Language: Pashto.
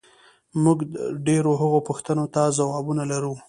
موږ ډېرو هغو پوښتنو ته ځوابونه لرو،